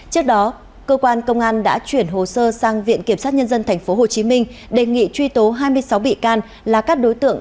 trước đó cơ quan công an đã chuyển hồ sơ sang viện kiểm sát nhân dân tp hcm đề nghị truy tố hai mươi sáu bị can là các đối tượng